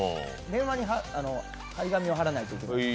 電話に張り紙を貼らないといけない。